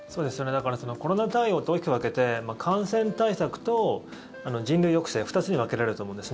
だから、コロナ対応って大きく分けて感染対策と人流抑制２つに分けられると思うんです。